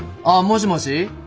あっもしもし？